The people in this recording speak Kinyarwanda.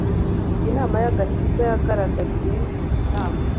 inama y’agakiza yagaragariye mu gitambo.